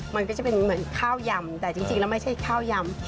มันก็จะเป็นเหมือนข้าวยำแต่จริงแล้วไม่ใช่ข้าวยำ